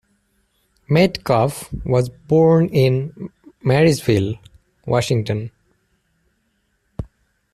Metcalf was born in Marysville, Washington.